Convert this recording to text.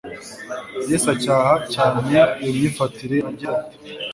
Yesu acyaha cyane iyo myifatire agira ati :